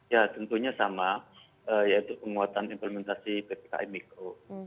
ya tentunya sama yaitu penguatan implementasi ppkm mikro